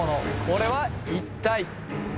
これは一体？